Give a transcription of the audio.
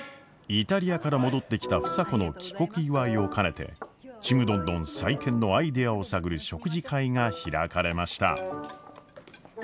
イタリアから戻ってきた房子の帰国祝いを兼ねてちむどんどん再建のアイデアを探る食事会が開かれました。